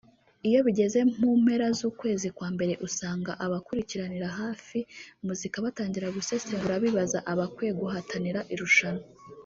Iyo bigeze mu mpera z’ukwezi kwa mbere usanga abakurikiranira hafi muzika batangira gusesengura bibaza abakwiye guhatanira irushanwa